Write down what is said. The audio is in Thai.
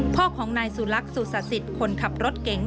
พ่อของนายสูรรักษ์สูตรศาสตริตคนขับรถเก๋ง